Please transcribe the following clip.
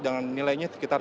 dengan nilainya sekitar